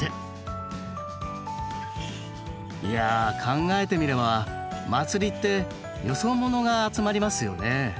いや考えてみれば祭りってよそ者が集まりますよね。